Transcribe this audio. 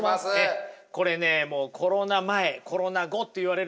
これねもうコロナ前コロナ後と言われるぐらいね